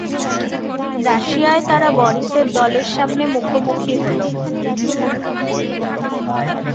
রাশিয়ায় তারা বরিস এর দলের সামনে মুখোমুখি হলো।